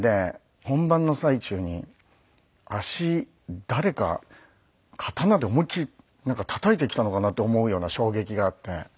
本番の最中に足誰か刀で思いっきりたたいてきたのかなって思うような衝撃があって。